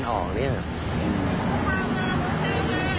เอาล่ะมันนี่สิ